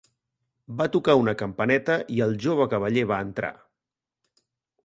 Va tocar una campaneta i el jove cavaller va entrar.